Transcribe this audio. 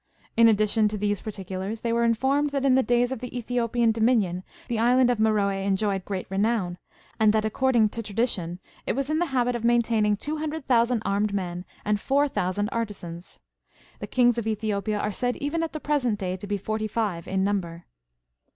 In addition to these particulars, they were infonned that in the days of the 5^thiopian dominion, the island of Meroe enjoyed great renown, and that, according to tradition, it was in the habit of maintaining two hundred thousand armed men, and four thousand artisans. The kings of ^Ethiopia are said even at the present day to be forty five in number.